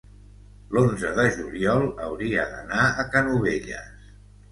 l'onze de juliol hauria d'anar a Canovelles.